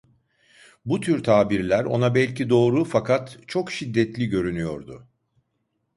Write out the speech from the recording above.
Bu tür tabirler ona belki doğru, fakat çok şiddetli görünüyordu.